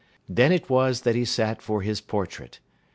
Then it was that he sat for his portrait.